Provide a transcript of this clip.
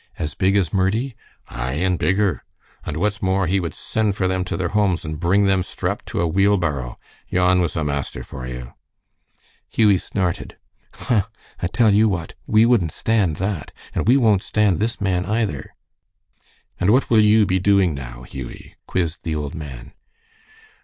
"As big as Murdie?" "Ay, and bigger. And what's more, he would send for them to their homes, and bring them strapped to a wheel barrow. Yon was a master for you!" Hughie snorted. "Huh! I tell you what, we wouldn't stand that. And we won't stand this man either." "And what will you be doing now, Hughie?" quizzed the old man.